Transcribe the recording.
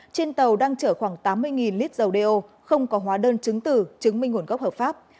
trên tàu đang chở khoảng tám mươi lít dầu đeo không có hóa đơn chứng tử chứng minh nguồn gốc hợp pháp